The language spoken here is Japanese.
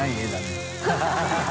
ハハハ